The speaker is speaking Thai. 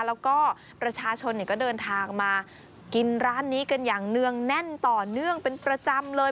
แล้วก็ประชาชนก็เดินทางมากินร้านนี้กันอย่างเนื่องแน่นต่อเนื่องเป็นประจำเลย